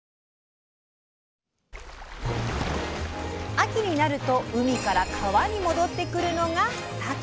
秋になると海から川に戻ってくるのがさけ。